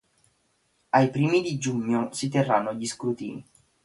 Ai primi di giugno si tennero gli scrutini.